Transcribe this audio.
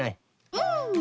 うん！